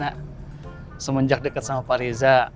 mbak mirna semenjak dekat sama pak riza